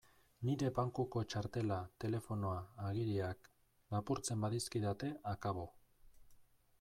Nire bankuko txartela, telefonoa, agiriak... lapurtzen badizkidate, akabo!